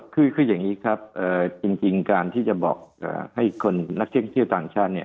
คืออย่างนี้ครับจริงการที่จะบอกให้คนนักท่องเที่ยวต่างชาติเนี่ย